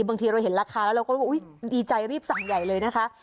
บางทีเราเห็นราคาแล้วเราก็ดีใจรีบสั่งใหญ่เลยนะคะ